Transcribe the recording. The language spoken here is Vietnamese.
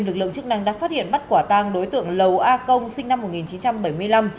lực lượng chức năng đã phát hiện bắt quả tang đối tượng lầu a công sinh năm một nghìn chín trăm bảy mươi năm